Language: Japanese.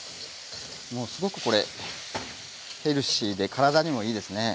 もうすごくこれヘルシーで体にもいいですね。